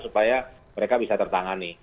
supaya mereka bisa tertangani